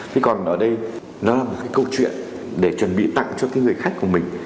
thế còn ở đây nó là một cái câu chuyện để chuẩn bị tặng cho cái người khách của mình